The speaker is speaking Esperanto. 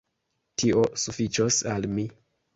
Tio sufiĉos al mi.